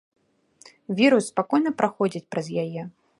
Вірус спакойна праходзіць праз яе.